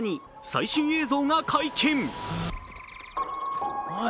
最新映像が解禁。